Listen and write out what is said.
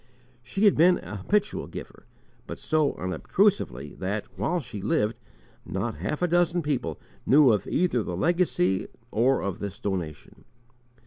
She had been a habitual giver, but so unobtrusively that, while she lived, not half a dozen people knew of either the legacy or of this donation.